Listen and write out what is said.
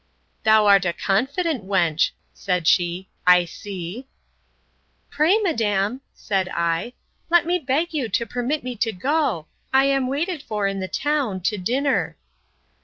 Thou art a confident wench, said she, I see!—Pray, madam, said I, let me beg you to permit me to go. I am waited for in the town, to dinner.